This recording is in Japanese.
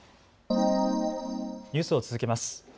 ニュースを続けます。